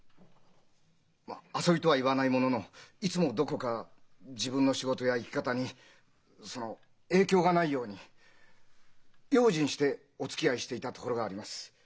まあ遊びとは言わないもののいつもどこか自分の仕事や生き方にその影響がないように用心しておつきあいしていたところがあります。